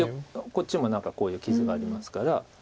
こっちも何かこういう傷がありますから。